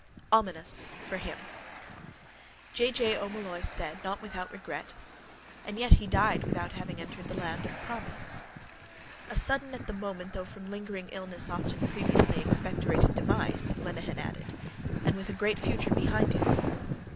OMINOUS—FOR HIM! J. J. O'Molloy said not without regret: —And yet he died without having entered the land of promise. —A—sudden—at—the—moment—though—from—lingering—illness—often—previously— expectorated—demise, Lenehan added. And with a great future behind him.